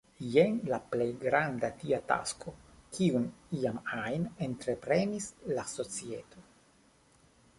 Jen la plej granda tia tasko, kiun iam ajn entreprenis la societo.